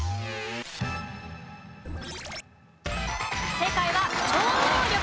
正解は超能力。